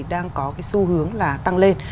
đang có xu hướng là tăng lên